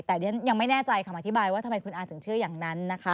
แต่ดิฉันยังไม่แน่ใจคำอธิบายว่าทำไมคุณอาถึงเชื่ออย่างนั้นนะคะ